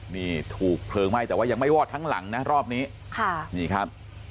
นี่ถูกเพลิงไหม้แต่ว่ายังไม่วอดทั้งหลังนะรอบนี้ค่ะนี่ครับ